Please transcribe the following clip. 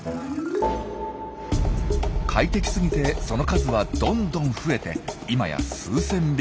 快適すぎてその数はどんどん増えて今や数千匹。